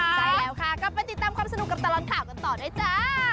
ใช่แล้วค่ะกลับไปติดตามความสนุกกับตลอดข่าวกันต่อด้วยจ้า